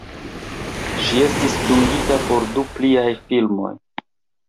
Ŝi estis dungita por du pliaj filmoj.